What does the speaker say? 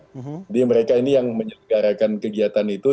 jadi mereka ini yang menyelenggarakan kegiatan itu